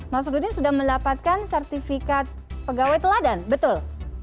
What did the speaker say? mas rudin sudah mendapatkan sertifikat pegawai teladan betul